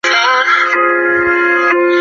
后周设莘亭县。